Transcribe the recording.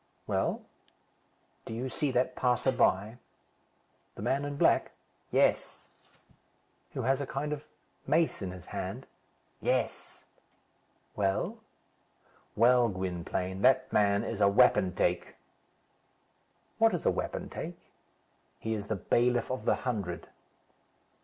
"Well." "Do you see that passer by?" "The man in black?" "Yes." "Who has a kind of mace in his hand?" "Yes." "Well?" "Well, Gwynplaine, that man is a wapentake." "What is a wapentake?" "He is the bailiff of the hundred."